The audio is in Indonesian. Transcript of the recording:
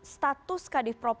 status kadif propam